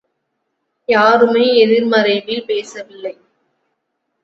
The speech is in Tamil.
யாருமே எதிர்மறைவில் பேசவில்லை.